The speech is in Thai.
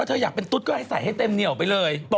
เธออยากเป็นตุ๊ดก็ให้ใส่ให้เต็มเหนียวไปเลย